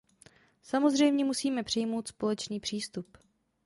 Samozřejmě musíme přijmout společný přístup.